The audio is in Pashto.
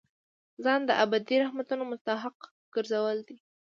ځان د ابدي رحمتونو مستحق ګرځول دي.